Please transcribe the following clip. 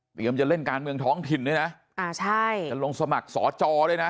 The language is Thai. จะเล่นการเมืองท้องถิ่นด้วยนะอ่าใช่จะลงสมัครสอจอด้วยนะ